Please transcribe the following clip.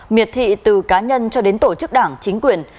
miệt thị từ cá nhân cho đến tổ chức đảng chính quyền